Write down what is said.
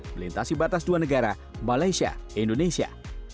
melintasi batas dua negara malaysia indonesia